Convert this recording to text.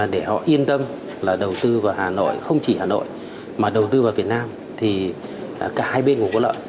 để họ yên tâm là đầu tư vào hà nội không chỉ hà nội mà đầu tư vào việt nam thì cả hai bên cũng có lợi